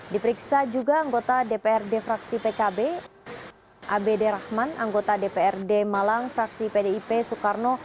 diperiksa juga anggota dprd fraksi pkb abd rahman anggota dprd malang fraksi pdip soekarno